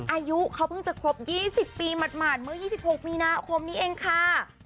อายุเขาเพิ่งจะครบ๒๐ปีหมาดเมื่อ๒๖มีนาคมนี้เองค่ะ